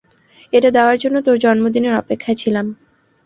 এটা দেওয়ার জন্য তোর জন্মদিনের অপেক্ষায় ছিলাম।